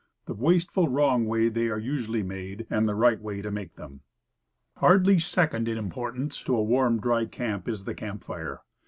THE WASTE FUL, WRONG WAY THEY ARE USUALLY MADE, AND THE RIGHT WAY TO MAKE THEM. HARDLY second in importance to a warm, dry camp, is the camp fire.